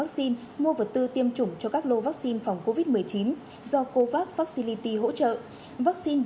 xin chào và hẹn gặp lại